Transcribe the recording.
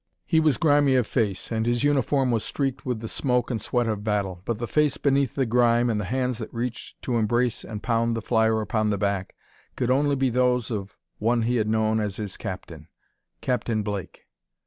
He was grimy of face, and his uniform was streaked with the smoke and sweat of battle, but the face beneath the grime, and the hands that reached to embrace and pound the flyer upon the back, could be only those of one he had known as his captain Captain Blake.